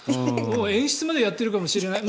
演出までやってるかもしれない。